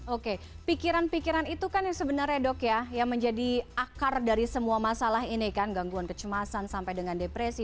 oke pikiran pikiran itu kan yang sebenarnya dok ya yang menjadi akar dari semua masalah ini kan gangguan kecemasan sampai dengan depresi